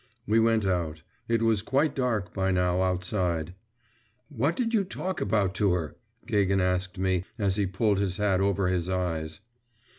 We went out. It was quite dark by now, outside. 'What did you talk about to her?' Gagin asked me, as he pulled his hat over his eyes.